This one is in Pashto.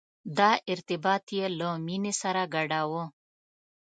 دا ارتباط یې له مینې سره ګډاوه.